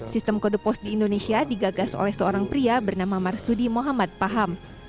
sistem kode pos di indonesia digagas oleh seorang pria bernama marsudi muhammad paham